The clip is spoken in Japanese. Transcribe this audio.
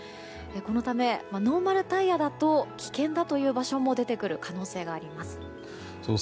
このため、ノーマルタイヤだと危険だという場所も出てくる可能性があります。